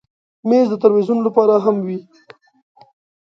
مېز د تلویزیون لپاره هم وي.